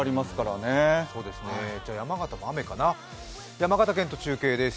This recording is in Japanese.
山形県と中継です。